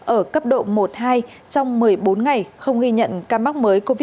ở cấp độ một hai trong một mươi bốn ngày không ghi nhận ca mắc mới covid một mươi chín trong cộng đồng